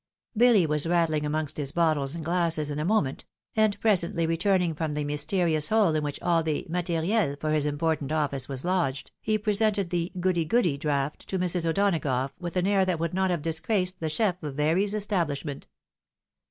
BiUy was rattling amongst his>. bottles and glasses in a moment ; and presently, returning from the mysterious hole in which all the materiel for his important office was lodged, he presented the goody goody draught to Mrs. O'Donagough, with an air that would not have disgraced the chef of Verey's establishment.